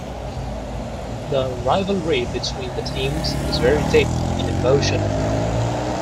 The rivalry between the teams is very deep and emotional.